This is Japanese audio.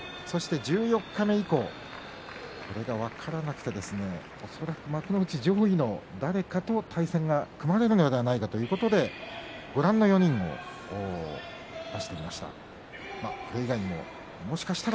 十四日目以降これが分からなくて恐らく幕内上位の誰かと対戦が組まれるのではないかということでご覧の４人を出してみました。